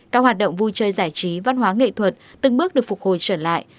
các hoạt động vui chơi giải trí văn hóa nghệ thuật từng bước được phục hồi trở lại